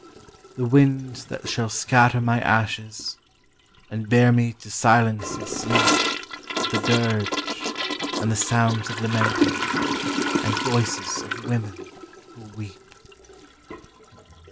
The wind that shall scatter my ashes, and bear me to silence and sleep With the dirge, and the sounds of lamenting, and voices of women who weep.